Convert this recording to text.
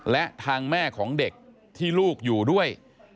และทางแม่ของเด็กที่ลูกอยู่ด้วย